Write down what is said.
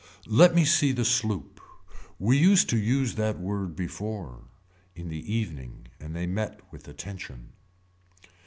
Let me see the sloop. We used to use that word before. In the evening and they met with attention.